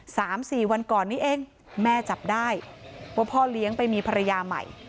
สามสี่วันก่อนนี้เองแม่จับได้ว่าพ่อเลี้ยงไปมีภรรยาใหม่